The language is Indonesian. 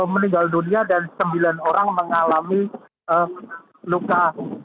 meninggal dunia dan sembilan orang mengalami luka